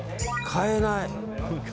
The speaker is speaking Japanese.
買えない。